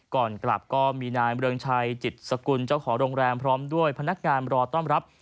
ก่อนกลับก็มีนายเมืองชัยจิตสกุลเจ้าของโรงแรมพร้อมด้วยพนักงานรอต้อนรับ